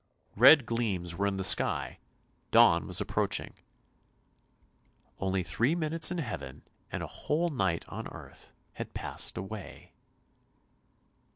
Red gleams were in the sky, dawn was approaching. Only three minutes in Heaven, and a whole night on earth had passed away.